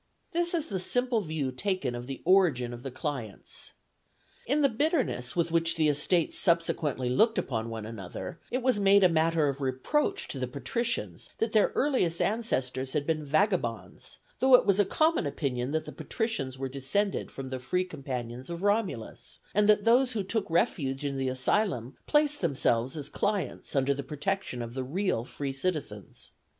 This is the simple view taken of the origin of the clients. In the bitterness with which the estates subsequently looked upon one another, it was made a matter of reproach to the Patricians that their earliest ancestors had been vagabonds; though it was a common opinion that the Patricians were descended from the free companions of Romulus, and that those who took refuge in the asylum placed themselves as clients under the protection of the real free citizens.